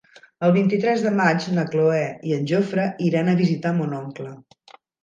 El vint-i-tres de maig na Cloè i en Jofre iran a visitar mon oncle.